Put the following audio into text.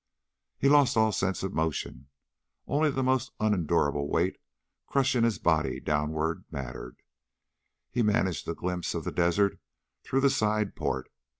He lost all sense of motion. Only the almost unendurable weight crushing his body downward mattered. He managed a glimpse of the desert through the side port.